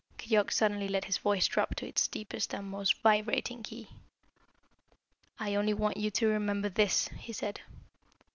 Keyork suddenly let his voice drop to its deepest and most vibrating key. "I only want you to remember this," he said.